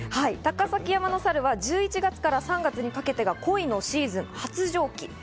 高崎山のサルは１１月から３月にかけては恋のシーズン、発情期。